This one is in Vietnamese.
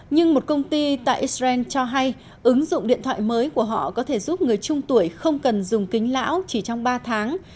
nhưng một công ty tại israel cho hay ứng dụng điện thoại mới của họ có thể giúp người trung tuổi không cần dùng kính lão chỉ trong ba tháng